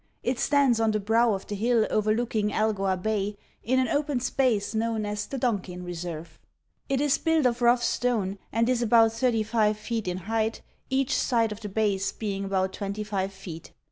It stands on the brow of the hill overlooking Algoa Bay, in an open space known as the "Donkin Reserve." It is built of rough stone and is about 35 feet in height, each side of the base being about 25 feet.